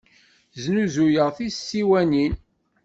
Snuzuyeɣ tisiwanin.